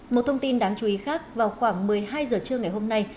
một thông tin đáng chú ý khác vào khoảng một mươi hai h trưa ngày hôm nay